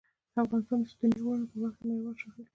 افغانستان د ستوني غرونه په برخه کې نړیوال شهرت لري.